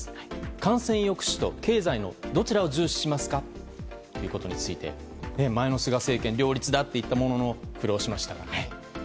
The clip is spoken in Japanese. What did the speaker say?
感染抑止と経済のどちらを重視しますかということについて前の菅政権両立だって言ったものの苦労しましたからね。